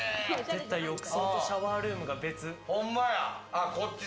絶対、浴槽とシャワールームが別。